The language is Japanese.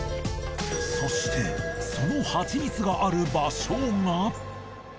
そしてそのハチミツがある場所が。